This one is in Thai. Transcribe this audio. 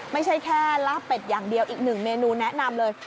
ไม่ใช่แค่ลาบเป็ดอย่างเดียวอีกหนึ่งเมนูแนะนำเลย